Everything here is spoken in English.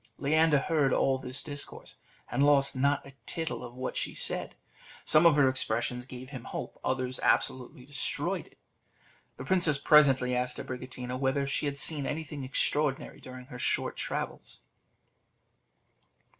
Leander heard all this discourse, and lost not a tittle of what she said; some of her expressions gave him hope, others absolutely destroyed it. The princess presently asked Abricotina whether she had seen anything extraordinary during her short travels?